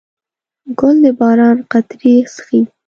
ګل د باران قطرې څښي.